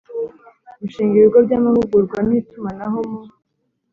Gushinga ibigo by amahugurwa n itumanaho mu